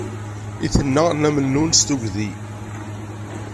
I tenna Nna Mennun s tugdi.